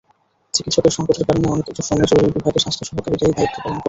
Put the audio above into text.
চিকিৎসকের সংকটের কারণে অনেক সময় জরুরি বিভাগে স্বাস্থ্য সহকারীরাই দায়িত্ব পালন করেন।